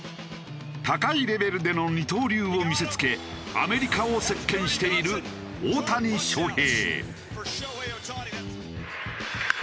高いレベルでの二刀流を見せつけアメリカを席巻している大谷翔平。